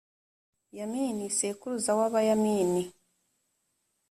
yamini sekuruza w’abayamini.